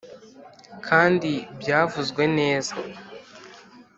kandi, byavuzwe neza